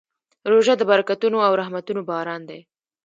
روژه د برکتونو او رحمتونو باران دی.